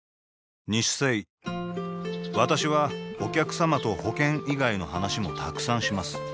私はお客様と保険以外の話もたくさんします